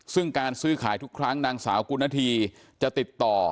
ซึ่งการซื้อขายทุกครั้งนางสาวกุณฑีจะติดต่อ